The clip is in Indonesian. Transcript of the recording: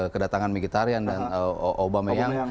kedatangan mkhitaryan dan aubameyang